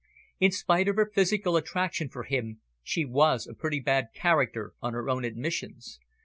In spite of her physical attraction for him, she was a pretty bad character on her own admissions.